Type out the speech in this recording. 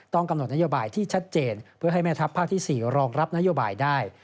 กำหนดนโยบายที่ชัดเจนเพื่อให้แม่ทัพภาคที่๔รองรับนโยบายได้